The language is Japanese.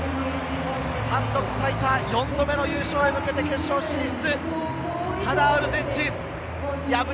単独最多４度目の優勝へ向けて決勝進出！